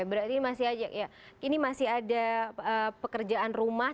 berarti ini masih ada pekerjaan rumah